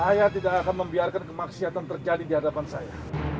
saya tidak akan membiarkan kemaksiatan terjadi di hadapan saya